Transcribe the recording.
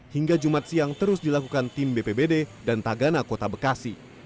hingga jumat siang terus dilakukan tim bpbd dan tagana kota bekasi